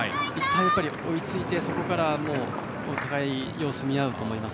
追いついて、そこからお互い様子を見合うと思います。